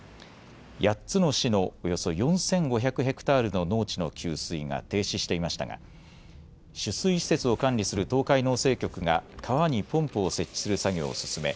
８つの市のおよそ４５００ｈａの農地の給水が停止していましたが取水施設を管理する東海農政局が川にポンプを設置する作業を進め